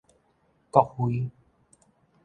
國徽